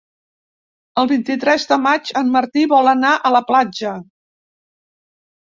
El vint-i-tres de maig en Martí vol anar a la platja.